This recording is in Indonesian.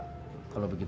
kalau bapak bersabar